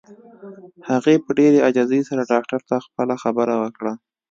هغې په ډېره عاجزۍ سره ډاکټر ته خپله خبره وکړه.